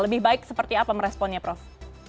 lebih baik seperti apa meresponnya prof